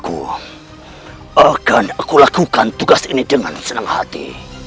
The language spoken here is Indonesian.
aku akan melakukan tugas ini dengan senang hati